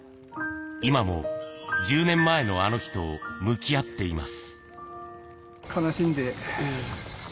今も１０年前のあの日と向き合っています。